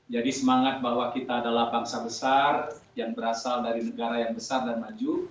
jadi semangat bahwa kita adalah bangsa besar yang berasal dari negara yang besar dan maju